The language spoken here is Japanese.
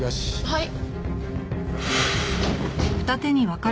はい。